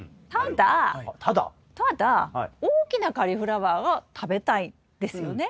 ただただ大きなカリフラワーは食べたいですよね。